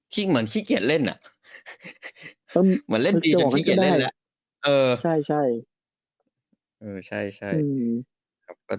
ที่มันขี้เกียจเล่นเหรอมันเล่นดีจนขี้เกียจเล่น